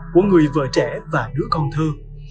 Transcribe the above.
của người vợ trẻ và đứa con thơ